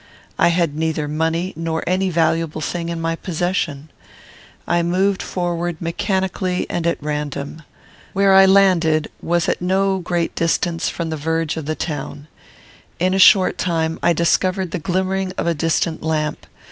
I had neither money nor any valuable thing in my possession. I moved forward mechanically and at random. Where I landed was at no great distance from the verge of the town. In a short time I discovered the glimmering of a distant lamp.